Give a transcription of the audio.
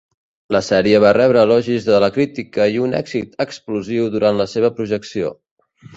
La sèrie va rebre elogis de la crítica i un èxit explosiu durant la seva projecció.